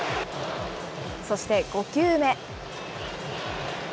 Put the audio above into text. そして５球目。